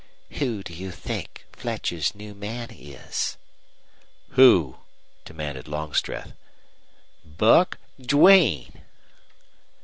"Who do you think Fletcher's new man is?" "Who?" demanded Longstreth. "BUCK DUANE!"